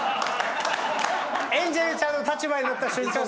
エンジェルちゃんの立場になった瞬間